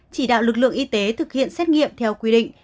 chỉ đạo lực lượng y tế thực hiện xét nghiệm theo quy định